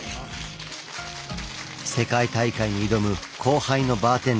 世界大会に挑む後輩のバーテンダーたち。